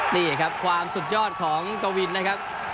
นี่ครับความสุดยอดของกวินนะครับ